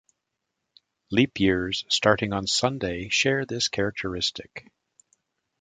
Leap years starting on Sunday share this characteristic.